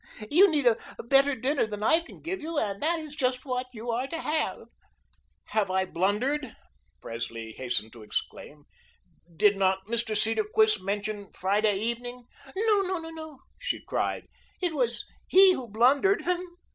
You need a better dinner than I can give you, and that is just what you are to have." "Have I blundered?" Presley hastened to exclaim. "Did not Mr. Cedarquist mention Friday evening?" "No, no, no," she cried; "it was he who blundered.